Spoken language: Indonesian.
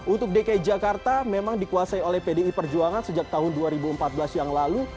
untuk dki jakarta memang dikuasai oleh pdi perjuangan sejak tahun dua ribu empat belas yang lalu